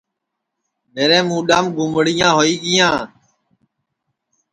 میرے مُڈؔام گُمڑیاں ہوئی گیاں